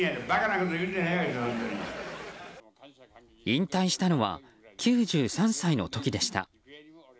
引退したのは９３歳の時でした。